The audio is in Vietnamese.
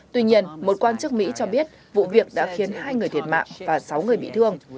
tuy nhiên một quan chức mỹ cho biết vụ việc đã khiến hai người thiệt mạng và sáu người bị thương